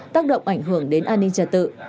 tác động ảnh hưởng đến an ninh trở tự